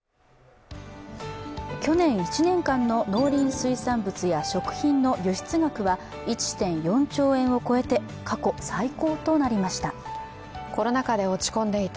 去年１年間の農林水産物や食品の輸出額は１．４兆円を超えて過去最高となりました。